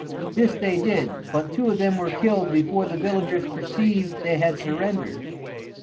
This they did, but two of them were killed before the villagers perceived they had surrendered.